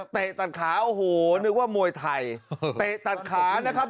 ตัดขาโอ้โหนึกว่ามวยไทยเตะตัดขานะครับ